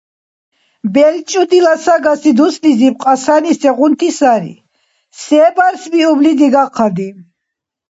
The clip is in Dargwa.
БелчӀудила сагаси дуслизир кьасани сегъунти сари, се барсбиубли дигахъади?